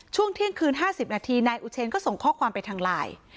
เที่ยงคืน๕๐นาทีนายอุเชนก็ส่งข้อความไปทางไลน์